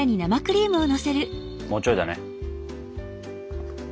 もうちょいだね。